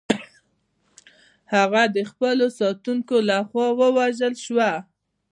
هغه د خپلو ساتونکو لخوا ووژل شوه.